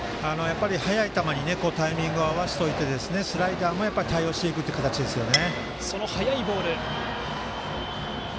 速い球にタイミングを合わせておいてスライダーも対応していくという形ですよね。